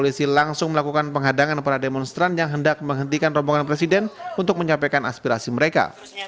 polisi langsung melakukan penghadangan para demonstran yang hendak menghentikan rombongan presiden untuk menyampaikan aspirasi mereka